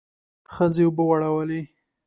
ښځې اوبه وړلې.